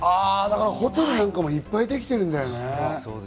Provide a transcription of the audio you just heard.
ホテルなんかもいっぱいできてるんだろうね。